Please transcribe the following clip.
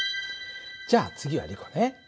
じゃあ次はリコね。